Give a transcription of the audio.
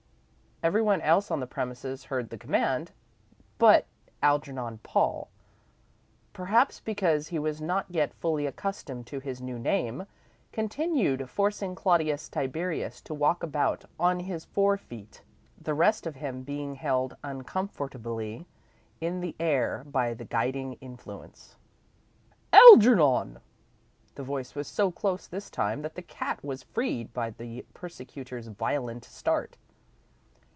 Every one else on the premises heard the command, but "Algernon Paul," perhaps because he was not yet fully accustomed to his new name, continued forcing Claudius Tiberius to walk about on his fore feet, the rest of him being held uncomfortably in the air by the guiding influence. "Algernon!" The voice was so close this time that the cat was freed by his persecutor's violent start.